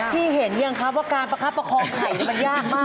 พี่เห็นยังครับว่าการประคับประคองไข่มันยากมาก